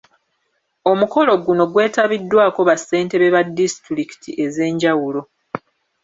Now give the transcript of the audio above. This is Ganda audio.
Omukolo guno gwetabiddwako bassentebe ba disitulikiti ez’enjawulo